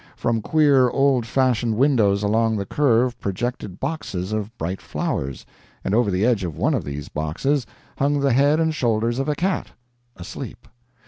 From queer old fashioned windows along the curve projected boxes of bright flowers, and over the edge of one of these boxes hung the head and shoulders of a cat asleep.